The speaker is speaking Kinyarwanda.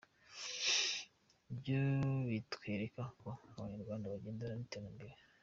Ibyo bitwereka ko Abanyarwanda bagendana n’iterambere .